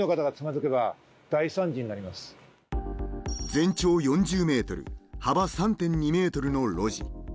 全長４０ｍ幅３．２ｍの路地